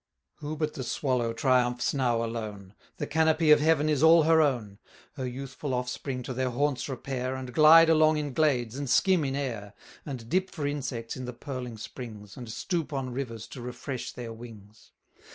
Who but the Swallow triumphs now alone? The canopy of heaven is all her own: Her youthful offspring to their haunts repair, And glide along in glades, and skim in air, And dip for insects in the purling springs, 570 And stoop on rivers to refresh their wings.